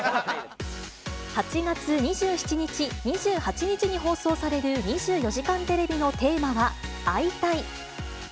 ８月２７日、２８日に放送される２４時間テレビのテーマは、会いたい！